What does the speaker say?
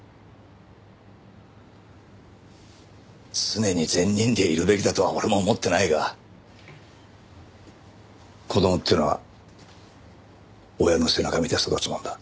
常に善人でいるべきだとは俺も思ってないが子供ってのは親の背中見て育つもんだ。